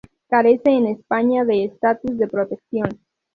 Carece en España de estatus de protección.